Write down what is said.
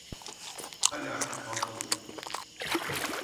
Haydi artık kalkalım!